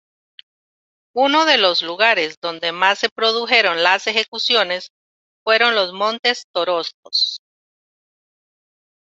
Uno de los lugares donde más se produjeron las ejecuciones fueron los Montes Torozos.